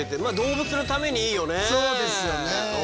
そうですよね。